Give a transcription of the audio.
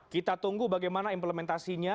kita tunggu bagaimana implementasinya